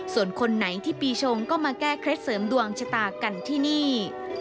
ส่วนคนไหนที่ปีชงก็มาแก้เคล็ดเสริมดวงชะตากันที่นี่